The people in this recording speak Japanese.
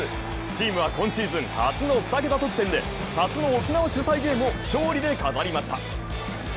チームは今シーズン初の２桁得点で初の沖縄主催ゲームを勝利で飾りました。